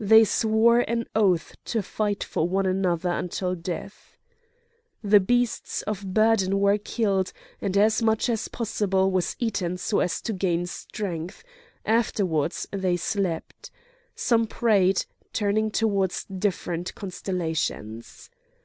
They swore an oath to fight for one another until death. The beasts of burden were killed, and as much as possible was eaten so as to gain strength; afterwards they slept. Some prayed, turning towards different constellations.